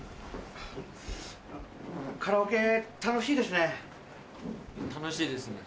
カラオケ楽しいですね。